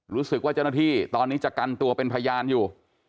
รู้สึกว่าเจ้าหน้าที่ตอนนี้จะกันตัวเป็นพยานอยู่